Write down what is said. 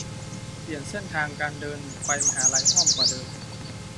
เปลี่ยนเส้นทางการเดินไปมหาลัย อ้อมกว่าเดิม